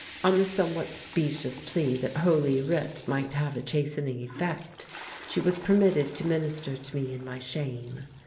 On the somewhat specious plea that Holy Writ might have a chastening effect, she was permitted to minister to me in my shame.